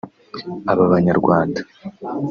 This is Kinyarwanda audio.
Aba banyarwanda